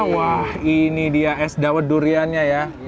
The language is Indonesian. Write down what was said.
wah ini dia es dawet duriannya ya